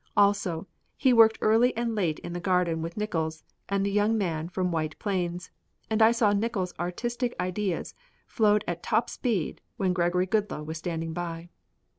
Also, he worked early and late in the garden with Nickols and the young man from White Plains, and I saw that Nickols' artistic ideas flowed at top speed when Gregory Goodloe was standing by.